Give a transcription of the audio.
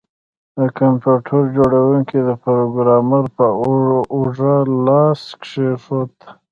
د کمپیوټر جوړونکي د پروګرامر په اوږه لاس کیښود